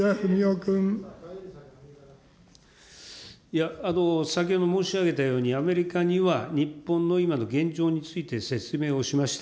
いや、先ほど申し上げたように、アメリカには日本の今の現状について説明をしました。